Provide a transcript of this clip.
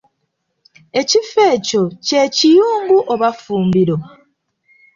Ekifo ekyo kye Kiyungu oba Effumbiro.